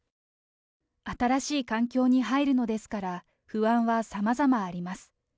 新しい環境に入るのですから、不安はさまざまあります。